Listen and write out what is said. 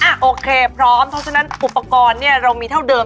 อ่ะโอเคพร้อมเท่าฉะนั้นอุปกรณ์เรามีเท่าเดิม